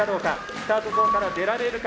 スタートゾーンからは出られるか？